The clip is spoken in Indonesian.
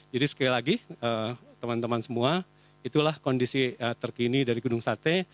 jadi sekali lagi teman teman semua itulah kondisi terkini dari gedung sate